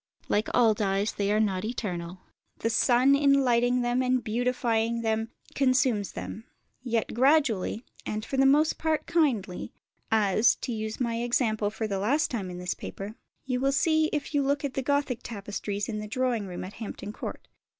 Like all dyes, they are not eternal; the sun in lighting them and beautifying them consumes them; yet gradually, and for the most part kindly, as (to use my example for the last time in this paper) you will see if you look at the Gothic tapestries in the drawing room at Hampton Court.